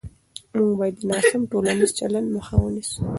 موږ باید د ناسم ټولنیز چلند مخه ونیسو.